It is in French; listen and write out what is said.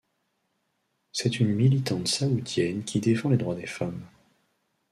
C'est une militante saoudienne qui défend les droits des femmes.